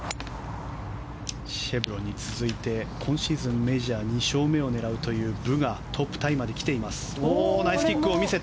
シェブロンに続いて今シーズンメジャー２勝目を狙うというブがトップタイまで来ています。